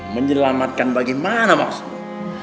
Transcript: menyelamatkan bagaimana maksudmu